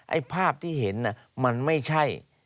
ไอ้ภาพที่เห็นมันไม่ใช่